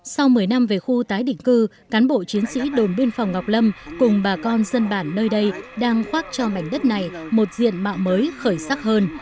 sau một mươi năm về khu tái định cư cán bộ chiến sĩ đồn biên phòng ngọc lâm cùng bà con dân bản nơi đây đang khoác cho mảnh đất này một diện mạo mới khởi sắc hơn